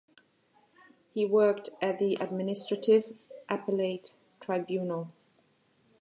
He worked at the Administrative Appellate Tribunal.